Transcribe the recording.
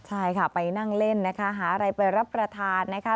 ใช่ค่ะไปนั่งเล่นนะคะหาอะไรไปรับประทานนะคะ